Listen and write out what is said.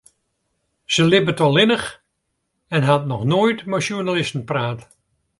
Sy libbet allinnich en hat noch noait mei sjoernalisten praat.